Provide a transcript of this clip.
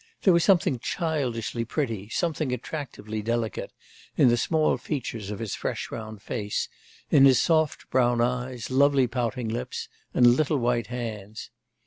There was something childishly pretty, something attractively delicate, in the small features of his fresh round face, in his soft brown eyes, lovely pouting lips, and little white hands.